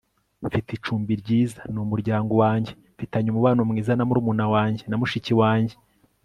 mfite icumbi ryiza, ni umuryango wanjye. mfitanye umubano mwiza na murumuna wanjye na mushiki wanjye